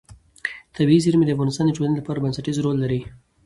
طبیعي زیرمې د افغانستان د ټولنې لپاره بنسټيز رول لري.